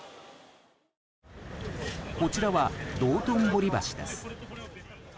こちらは、道頓堀橋です。